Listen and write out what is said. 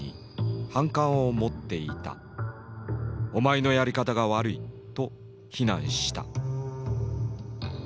「お前のやり方が悪い」と非難した。